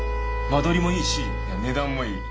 間取りもいいし値段もいい。